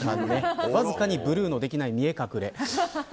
わずかにブルーのできない見え隠れ。